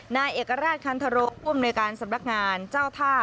นายเอกราชคันทโรผู้อำนวยการสำนักงานเจ้าท่า